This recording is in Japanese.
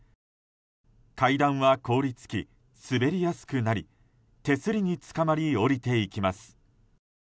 階段は凍り付き滑りやすくなり手すりにつかまり下りていきます。